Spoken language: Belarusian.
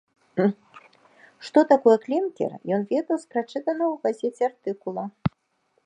Што такое клінкер, ён ведаў з прачытанага ў газеце артыкула.